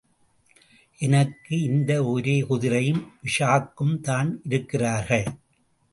எனக்கு, இந்த ஒரே குதிரையும், இஷாக்கும்தான் இருக்கிறார்கள்.